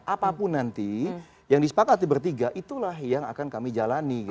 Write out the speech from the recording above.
apapun nanti yang disepakati bertiga itulah yang akan kami jalani